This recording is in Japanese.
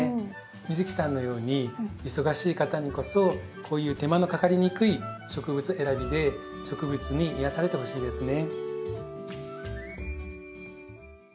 美月さんのように忙しい方にこそこういう手間のかかりにくい植物選びで植物に癒やされてほしいですね。